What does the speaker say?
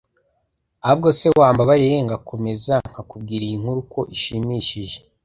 ahubwo c wambabariye ngakomeza nka kubwira iyi nkuru ko ishimishije